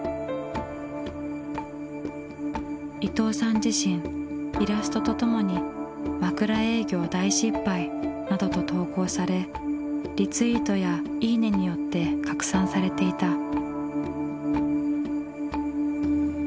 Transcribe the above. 伊藤さん自身イラストとともに「枕営業大失敗」などと投稿されリツイートや「いいね」によって拡散されていた。